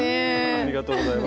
ありがとうございます。